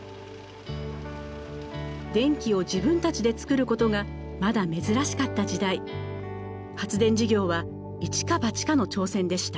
電気を自分たちでつくることがまだ珍しかった時代発電事業は一か八かの挑戦でした。